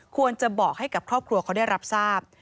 ควรจะบอกให้กับครอบครัวเขาได้รับทราบ